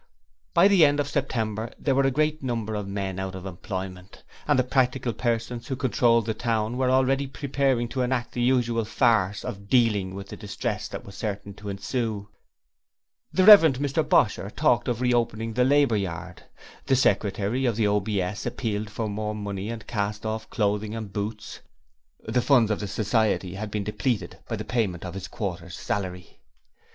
By the end of September there were great numbers of men out of employment, and the practical persons who controlled the town were already preparing to enact the usual farce of 'Dealing' with the distress that was certain to ensue. The Rev. Mr Bosher talked of reopening the Labour Yard; the secretary of the OBS appealed for more money and cast off clothing and boots the funds of the Society had been depleted by the payment of his quarter's salary.